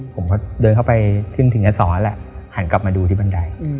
ผมก็เดินเข้าไปขึ้นถึงอสรแหละหันกลับมาดูที่บันได